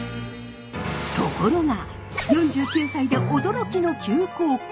ところが４９歳で驚きの急降下。